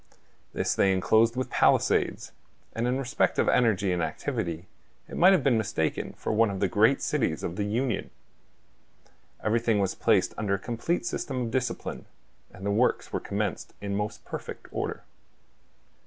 This they enclosed with palisades; and in respect of energy and activity, it might have been mistaken for one of the great cities of the Union. Everything was placed under a complete system of discipline, and the works were commenced in most perfect order.